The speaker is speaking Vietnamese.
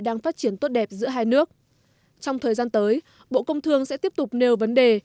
đang phát triển tốt đẹp giữa hai nước trong thời gian tới bộ công thương sẽ tiếp tục nêu vấn đề